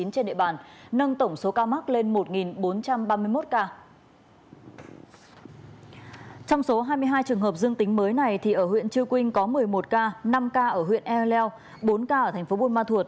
trong số hai mươi hai trường hợp dương tính mới này thì ở huyện chư quynh có một mươi một ca năm ca ở huyện e leo bốn ca ở thành phố buôn ma thuột